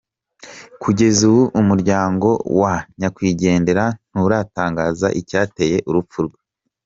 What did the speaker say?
Kugeza ubu, umuryango wa nyakwigendera nturatangaza icyateye urupfu rwe.